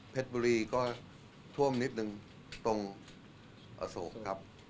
บุรีก็ท่วมนิดนึงตรงอโศกครับ